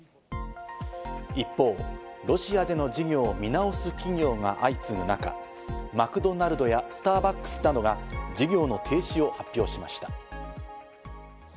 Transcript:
一方、ロシアでの事業を見直す企業が相次ぐ中、マクドナルドやスターバックスなどが事業の停止を発表しました。